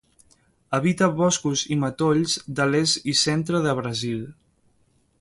Habita boscos i matolls de l'est i centre de Brasil.